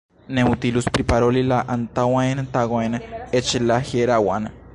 Ne utilus priparoli la antaŭajn tagojn, eĉ la hieraŭan.